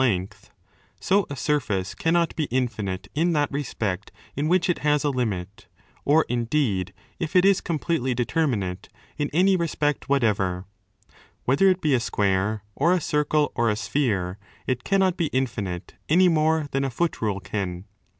5 272° be infinite in that respect in which it has a limit; or, indeed, if it is completely determinate, in any respect whatever. Whether it be a square or a circle or a sphere, it cannot be 20 infinite, any more than a foot rule can.